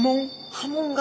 波紋が。